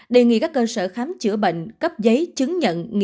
đề nghị các cơ sở khám chữa bệnh cấp giấy chứng nhận